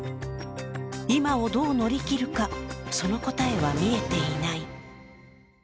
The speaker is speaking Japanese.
今をどう乗り切るか、その答えは見えていない。